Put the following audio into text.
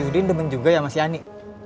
siudin demen juga ya sama si ani